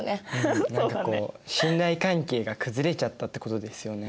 何かこう信頼関係が崩れちゃったってことですよね。